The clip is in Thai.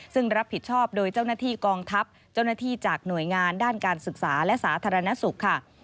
ซึ่งรับผิดชอบโดยเจ้าหน้าที่กองทัพเจ้าหน้าที่จากหน่วยงานด้านการศึกษาและสาธารณสุขค่ะ